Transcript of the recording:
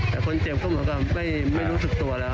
แต่คนเจ็บก็เหมือนกับไม่รู้สึกตัวแล้ว